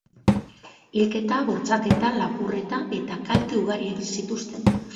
Hilketa, bortxaketa, lapurreta eta kalte ugari egin zituzten.